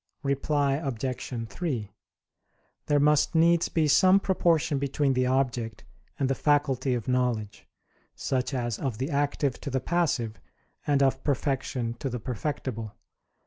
Reply Obj. 3: There must needs be some proportion between the object and the faculty of knowledge; such as of the active to the passive, and of perfection to the perfectible.